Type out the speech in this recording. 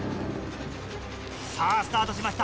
さぁスタートしました